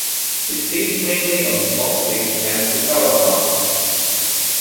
It feeds mainly on small fish and cephalopods.